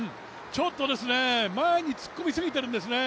ちょっとね、前に突っ込みすぎているんですね。